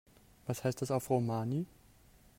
Was heißt das auf Romani?